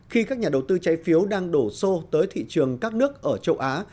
khi các nhà đầu tư trái phiếu đang đổ xô tới thị trường các nước ở châu á